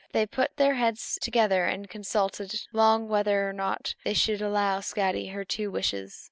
They put their heads together and consulted long whether or not they should allow Skadi her two wishes.